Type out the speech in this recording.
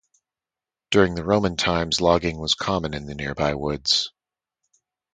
During the Roman times logging was common in the nearby woods.